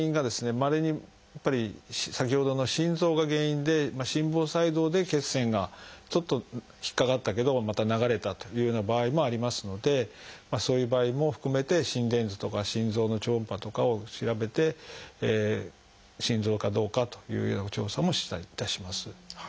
まれにやっぱり先ほどの心臓が原因で心房細動で血栓がちょっと引っ掛かったけどまた流れたというような場合もありますのでそういう場合も含めて心電図とか心臓の超音波とかを調べて心臓かどうかというような調査もいたします。